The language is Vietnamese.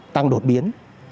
tăng đột biến